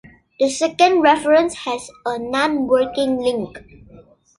The second reference has a nonworking link.